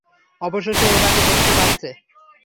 অবশেষে ওটাকে দেখতে পাচ্ছে!